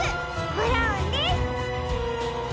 ブラウンです！